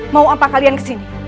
mau apa kalian kesini